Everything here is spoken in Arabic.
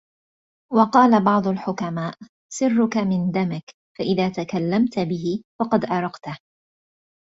وَقَالَ بَعْضُ الْحُكَمَاءِ سِرُّك مِنْ دَمِك فَإِذَا تَكَلَّمْت بِهِ فَقَدْ أَرَقْتَهُ